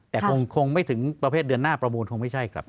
แต่คงไม่ถึงประเภทเดือนหน้าประมูลคงไม่ใช่ครับ